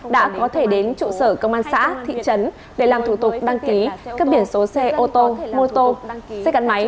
đã có thể đến trụ sở công an xã thị trấn để làm thủ tục đăng ký cấp biển số xe ô tô mô tô xe gắn máy